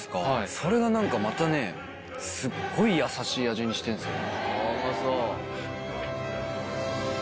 それが何かまたねすっごいやさしい味にしてんですよね。